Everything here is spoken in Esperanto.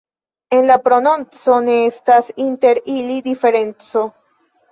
En la prononco ne estas inter ili diferenco.